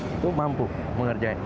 itu mampu mengerjakan